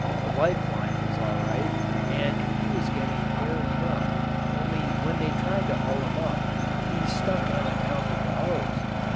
The life line was all right, and he was getting air enough, only when they tried to haul him up he stuck on account of the hose.